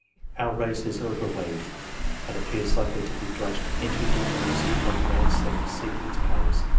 Our race is over weighted, and appears likely to be drudged into degeneracy by demands that exceed its powers.